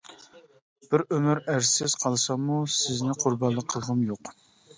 بىر ئۆمۈر ئەرسىز قالساممۇ سىزنى قۇربانلىق قىلغۇم يوق.